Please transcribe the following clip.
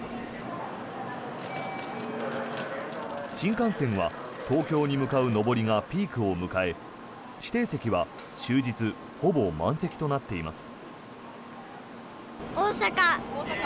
新幹線は東京に向かう上りがピークを迎え指定席は終日ほぼ満席となっています。